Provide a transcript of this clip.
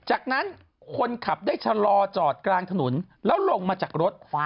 จากนั้นคนขับได้ชะลอจอดกลางถนนแล้วลงมาจากรถ